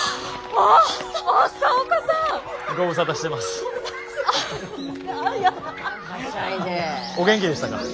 お元気でしたか？